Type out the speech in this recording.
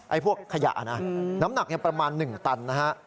พวกขยะนะน้ำหนักประมาณ๑ตันนะฮะ